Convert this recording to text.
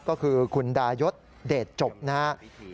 ก็คือคุณดายศเดชจบนะครับ